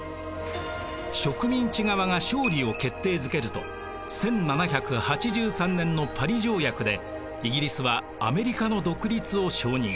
植民地側が勝利を決定づけると１７８３年のパリ条約でイギリスはアメリカの独立を承認。